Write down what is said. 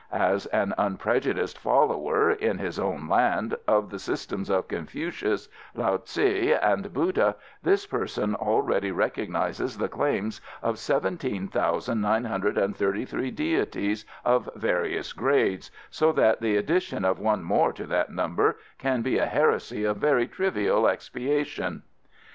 As an unprejudiced follower, in his own land, of the systems of Confucius, Lao tse, and Buddha, this person already recognises the claims of seventeen thousand nine hundred and thirty three deities of various grades, so that the addition of one more to that number can be a heresy of very trivial expiation."